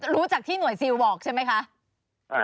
รู้จากที่หน่วยซิลบอกใช่ไหมคะ